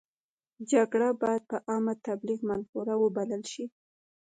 جګړه باید په عامه تبلیغ منفوره وبلل شي.